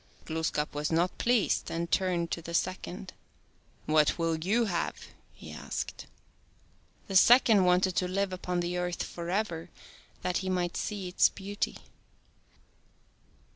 Glooskap was not pleased, and turned to the second. " What will you have ?" he asked. The second wanted to live upon the earth forever that he might see its beauty.